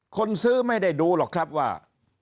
คนซื้อไม่ได้ดูหรอกครับว่า